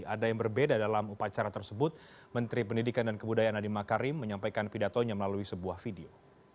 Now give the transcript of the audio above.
ada yang berbeda dalam upacara tersebut menteri pendidikan dan kebudayaan adi makarim menyampaikan pidatonya melalui sebuah video